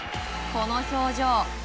この表情。